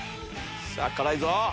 さぁ辛いぞ。